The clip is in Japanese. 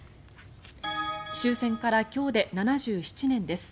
終戦から今日で７７年です。